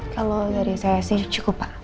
kalau dari saya sih cukup pak